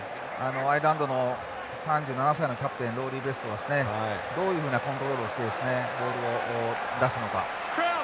アイルランドの３７歳のキャプテンロリーベストがどういうふうなコントロールをしてボールを出すのか。